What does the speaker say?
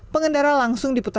pengendara langsung dipersiapkan